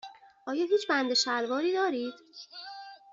آیا هیچ بند شلواری دارید؟